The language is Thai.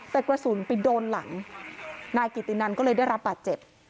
แต่กระสุนไปโดนหลังนายกิตินันก็เลยได้รับบาดเจ็บ